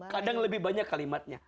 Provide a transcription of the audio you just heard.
kadang lebih banyak kalimatnya